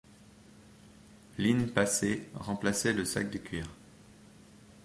L’in-pace remplaçait le sac de cuir.